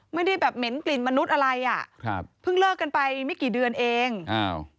ไม่ได้แบบเหม็นกลิ่นมนุษย์อะไรอ่ะครับเพิ่งเลิกกันไปไม่กี่เดือนเองอ้าว